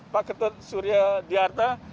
pak ketut surya dhyarta